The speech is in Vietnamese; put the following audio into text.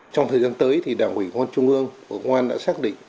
trong thời gian tới đảng thủy quân trung ương và quân đã xác định